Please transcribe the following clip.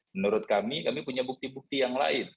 menurut kami kami punya bukti bukti yang lain